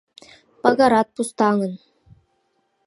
Пагарат пустаҥын.